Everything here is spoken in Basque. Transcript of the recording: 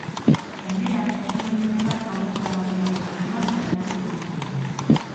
Gainera, kantu gehienetan aurrez grabatutako doinuak gaineratu genituen.